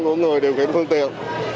của người điều khiển phương tiện